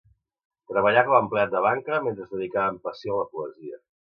Treballà com a empleat de banca, mentre es dedicava amb passió a la poesia.